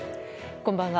こんばんは。